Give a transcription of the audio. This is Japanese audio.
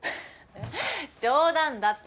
冗談だって。